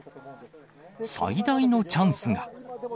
最大のチャンスが。